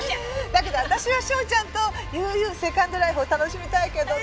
だけど私は章ちゃんと悠々セカンドライフを楽しみたいけどねぇ。